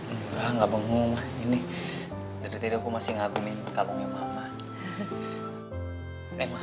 enggak gak bengong ini deret deret aku masih ngagumin kalungnya mama